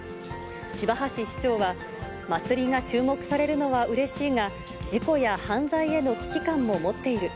柴橋市長は祭りが注目されるのはうれしいが、事故や犯罪への危機感も持っている。